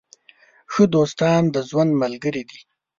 ښه دوستان د ژوند ملګري دي.